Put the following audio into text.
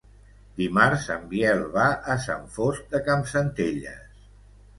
Dimarts en Biel va a Sant Fost de Campsentelles.